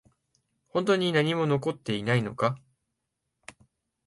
本当に何も残っていないのか？